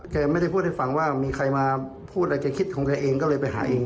แกไม่ได้พูดให้ฟังว่ามีใครมาพูดอะไรแกคิดของแกเองก็เลยไปหาเอง